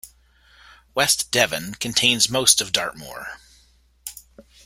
West Devon contains most of Dartmoor.